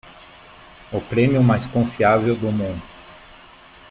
O prêmio mais confiável do mundo